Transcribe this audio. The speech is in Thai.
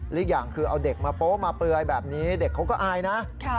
อีกอย่างคือเอาเด็กมาโป๊ะมาเปลือยแบบนี้เด็กเขาก็อายนะ